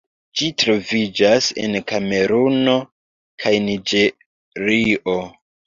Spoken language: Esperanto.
Ĝi troviĝas en Kameruno kaj Niĝerio.